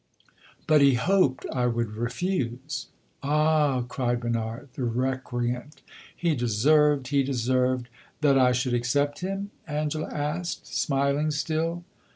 But he hoped I would refuse!" "Ah," cried Bernard, "the recreant! He deserved he deserved " "That I should accept him?" Angela asked, smiling still.